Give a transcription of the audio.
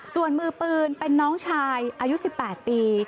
ส่วนมือปืนเป็นน้องชายอายุ๑๘ปี